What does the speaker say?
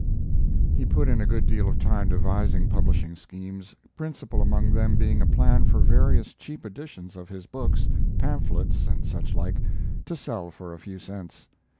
He put in a good deal of time devising publishing schemes, principal among them being a plan for various cheap editions of his books, pamphlets, and such like, to sell for a few cents.